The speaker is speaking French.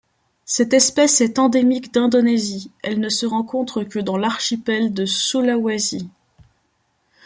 Cette espèce est endémique d'Indonésie, elle ne se rencontre que dans l'archipel de Sulawesi.